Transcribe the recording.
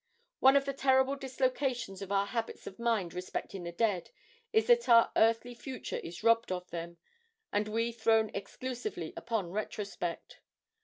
One of the terrible dislocations of our habits of mind respecting the dead is that our earthly future is robbed of them, and we thrown exclusively upon retrospect.